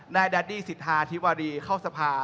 ได้แดดี้ศริษฐาทิวารีเข้าสภา